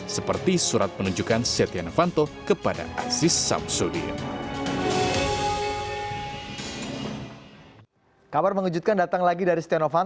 seperti surat penunjukan setia novanto kepada aziz samsudin